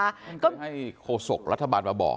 มันก็ให้โคศกรัฐบาลมาบอก